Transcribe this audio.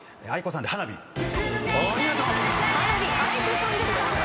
ａｉｋｏさんで『花火』お見事。